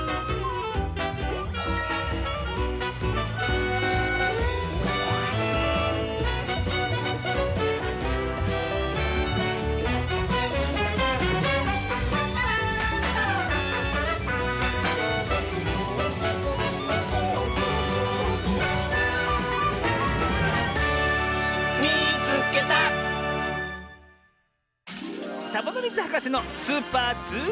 サボノミズはかせの「スーパーズームアップクイズ」！